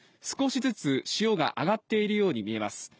少しずつ潮が上がっているように見えます。